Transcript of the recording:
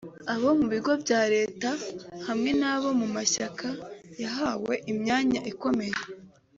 abo mu bigo bya Leta hamwe n'abo mu mashyaka yahawe imyanya ikomeye